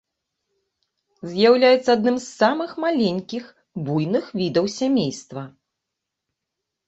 З'яўляецца адным з самых маленькіх буйных відаў сямейства.